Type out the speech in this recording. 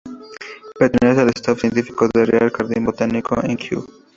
Pertenece al Staff científico del Real Jardín Botánico de Kew.